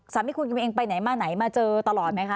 สามีคุณกำลังเองไปไหนมาไหนมาเจอตลอดไหมคะ